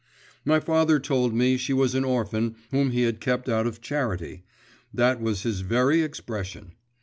My father told me she was an orphan whom he had kept out of charity that was his very expression.